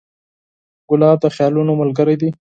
ګلاب د خیالونو ملګری دی.